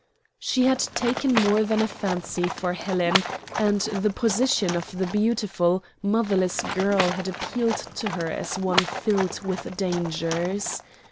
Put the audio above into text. She had taken more than a fancy for Helen, and the position of the beautiful, motherless girl had appealed to her as one filled with dangers.